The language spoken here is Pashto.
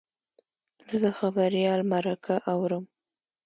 زه د خبریال مرکه اورم.